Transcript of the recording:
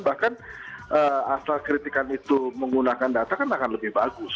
bahkan asal kritikan itu menggunakan data kan akan lebih bagus